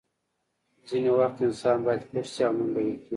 ځینې وخت انسان باید پټ شي او منډه وکړي